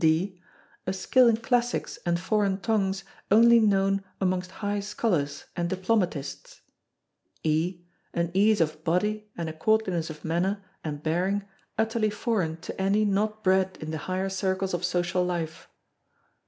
(d) A skill in classics and foreign tongues only known amongst high scholars and diplomatists. (e) An ease of body and a courtliness of manner and bearing utterly foreign to any not bred in the higher circles of social life.